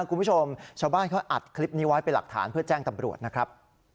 คุณผู้ชมชาวบ้านเขาอัดคลิปนี้ไว้เป็นหลักฐานเพื่อแจ้งตำรวจนะครับ